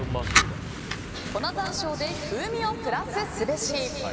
粉山椒で風味をプラスすべし。